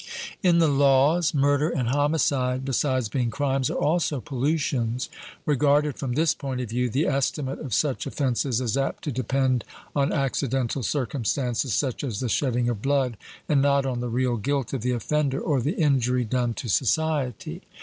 In the Laws murder and homicide besides being crimes, are also pollutions. Regarded from this point of view, the estimate of such offences is apt to depend on accidental circumstances, such as the shedding of blood, and not on the real guilt of the offender or the injury done to society.